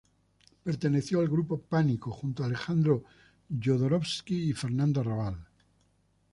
Perteneció al Grupo Pánico, junto a Alejandro Jodorowsky y Fernando Arrabal.